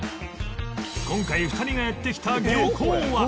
今回２人がやって来た漁港は？